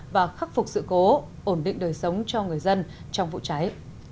và khắc phục sự cố ổn định đời sống cho người dân trong vụ cháy